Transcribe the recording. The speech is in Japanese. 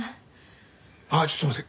あっちょっと待って。